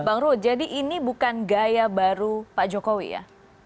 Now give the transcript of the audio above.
bang ru jadi ini bukan gaya baru pak jokowi ya